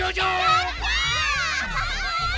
やった！